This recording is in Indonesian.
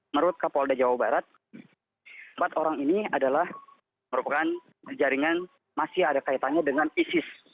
menurut kapolda jawa barat empat orang ini adalah merupakan jaringan masih ada kaitannya dengan isis